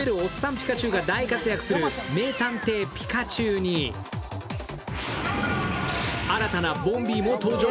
ピカチュウが大活躍する「名探偵ピカチュウ」に新たなボンビーも登場！